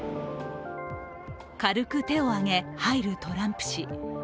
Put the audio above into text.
軽く手を上げ、入るトランプ氏。